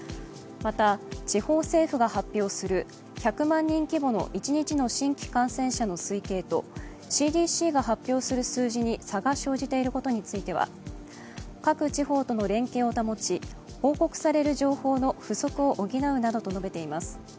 また地方政府が発表する１００万人規模の一日の新規感染者の推計とＣＤＣが発表する数字に差が生じていることについては、各地方との連携を保ち、報告される情報の不足を補うなどと述べています。